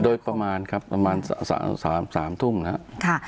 โดยประมาณครับประมาณ๓ทุ่มนะครับ